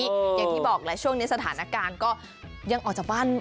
อย่างที่บอกแหละช่วงนี้สถานการณ์ก็ยังออกจากบ้าน